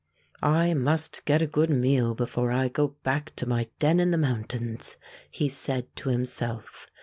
" I must get a good meal before I go back to my den in the moimtains," he said to him self.